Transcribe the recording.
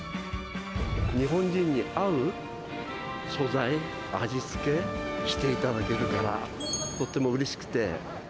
日本人に合う素材、味付けしていただけるからとってもうれしくて。